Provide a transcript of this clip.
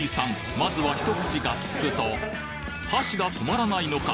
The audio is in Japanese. まずは一口がっつくと箸が止まらないのか